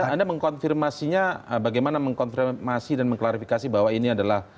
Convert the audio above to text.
anda mengkonfirmasinya bagaimana mengkonfirmasi dan mengklarifikasi bahwa ini adalah